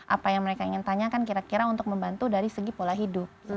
apa yang mereka ingin tanyakan kira kira untuk membantu dari segi pola hidup